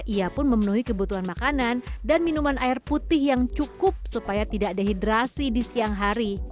ia pun memenuhi kebutuhan makanan dan minuman air putih yang cukup supaya tidak dehidrasi di siang hari